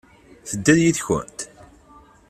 Tedda-d yid-kent?